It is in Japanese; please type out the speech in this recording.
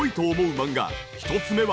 漫画１つ目は。